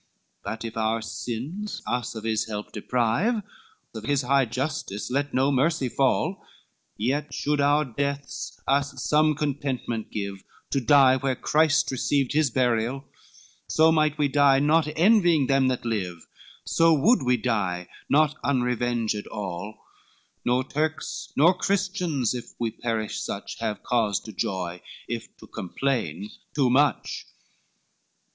LXXXVI "But if our sins us of his help deprive, Of his high justice let no mercy fall; Yet should our deaths us some contentment give, To die, where Christ received his burial, So might we die, not envying them that live; So would we die, not unrevenged all: Nor Turks, nor Christians, if we perish such, Have cause to joy, or to complain too much.